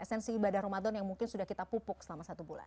esensi ibadah ramadan yang mungkin sudah kita pupuk selama satu bulan